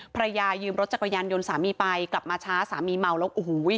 ภรรยายืมรถจักรยานยนต์สามีไปกลับมาช้าสามีเมาแล้วโอ้โห